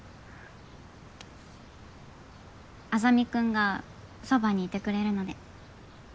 莇君がそばにいてくれるので。